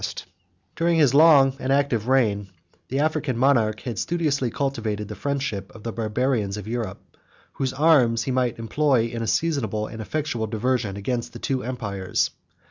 ] During his long and active reign, the African monarch had studiously cultivated the friendship of the Barbarians of Europe, whose arms he might employ in a seasonable and effectual diversion against the two empires.